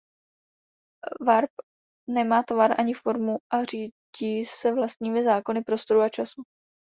Warp nemá tvar ani formu a řídí se vlastními zákony prostoru a času.